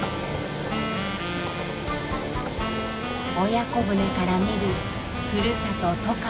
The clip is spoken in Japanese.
親子船から見るふるさと外川。